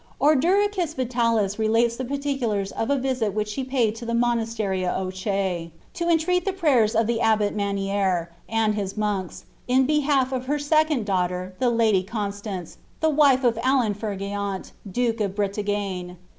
Orderictts Vitalis relates the particulars &. a Tisit which she paid to the monastery of Ouche, to entreat the prayt,*s of the abbot Manier, and kis monks, in behalf of her second daughter, the lady Constance, the wife of Alan Fergeant, duke of Bretagne.